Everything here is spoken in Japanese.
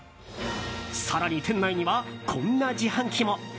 更に店内には、こんな自販機も。